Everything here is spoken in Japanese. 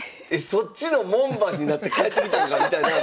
そっちの門番になって帰ってきたんかみたいな。